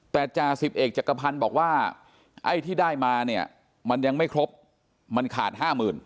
แต่จ่าสิบเอกจักรพันธ์บอกว่าไอ้ที่ได้มาเนี่ยมันยังไม่ครบมันขาดห้าหมื่น